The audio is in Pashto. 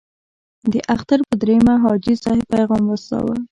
د اختر په دریمه حاجي صاحب پیغام واستاوه.